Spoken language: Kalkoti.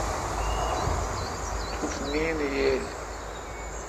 توٹھ نیند ییل۔